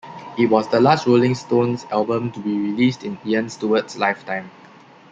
It was the last Rolling Stones album to be released in Ian Stewart's lifetime.